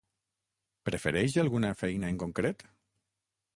Prefereix alguna feina en concret?